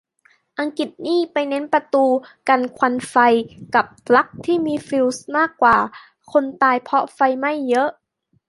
อังกฤษนี่ไปเน้นประตูกันควันไฟกับปลั๊กที่มีฟิวส์มากกว่า คนตายเพราะไฟไหม้เยอะ